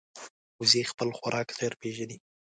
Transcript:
وزې خپل خوراک ژر پېژني